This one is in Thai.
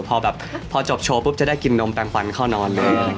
พอแบบพอจบโชว์ปุ๊บจะได้กินนมแปลงควันเข้านอนเลย